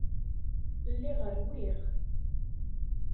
Lliɣ rwiɣ.